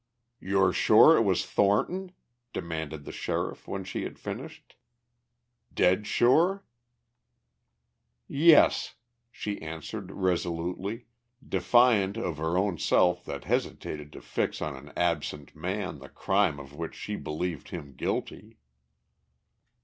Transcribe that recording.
"You're sure it was Thornton?" demanded the sheriff when she had finished. "Dead sure?" "Yes," she answered resolutely, defiant of her own self that hesitated to fix on an absent man the crime of which she believed him guilty.